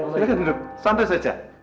silakan duduk santai saja